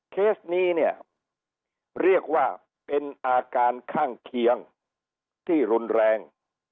เคสนี้เนี่ยเรียกว่าเป็นอาการข้างเคียงที่รุนแรง